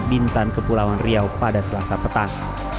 bintan kepulauan riau pada selasa petang